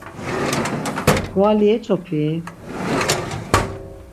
Kuvali yeç̌opii?